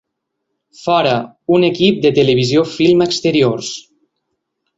Fora, un equip de televisió filma exteriors.